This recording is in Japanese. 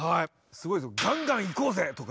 すごいですよ「ガンガンいこうぜ！！」とか。